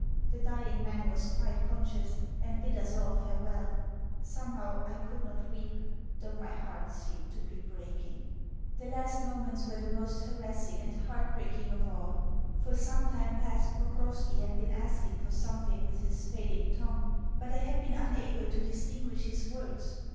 The dying man was quite conscious, and bid us all farewell. Somehow I could not weep, though my heart seemed to be breaking. The last moments were the most harassing and heartbreaking of all. For some time past Pokrovski had been asking for something with his failing tongue, but I had been unable to distinguish his words.